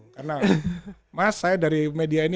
karena mas saya dari media ini